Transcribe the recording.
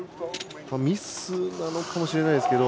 ミスなのかもしれないですけど。